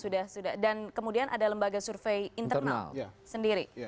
dan kemudian ada lembaga survei internal sendiri